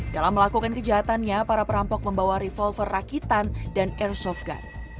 dalam melakukan kejahatannya para perampok membawa revolver rakitan dan airsoft gun